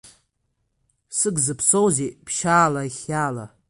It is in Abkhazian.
Сык зыԥсоузеи ԥшьаала, ихиаала!